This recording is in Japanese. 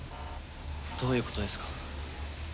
どういうことですか？